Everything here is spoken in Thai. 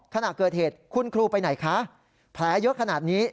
ขณะเกิดเหตุคุณครูไปไหนคะแผลเยอะขนาดนี้